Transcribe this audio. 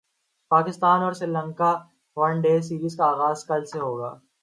پاکستان اور سری لنکا کی one day series کا غاز کل سے ہو گا